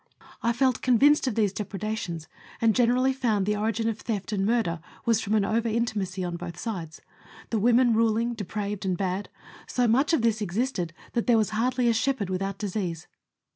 I felt convinced of these depredations, and gene rally found the origin of theft and murder was from an over inti macy on both sides the women ruling, depraved, and bad ; so much of this existed that there was hardly a shepherd without disease.